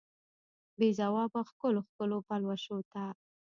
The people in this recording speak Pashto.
بې ځوابه ښکلو، ښکلو پلوشو ته